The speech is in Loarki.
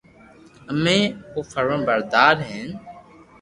امي او فرمابردار ھين